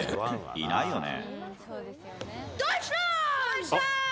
いないよね？